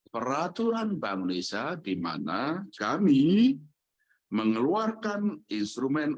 peraturan bangunisa di mana kami mengeluarkan instrumen